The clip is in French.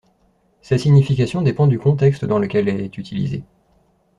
Sa signification dépend du contexte dans lequel elle est utilisée.